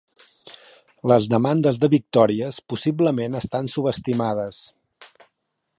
Les demandes de victòries possiblement estan subestimades.